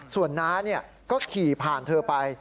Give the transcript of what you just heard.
ส่วนน้าก็ขี่ผ่านเธอไป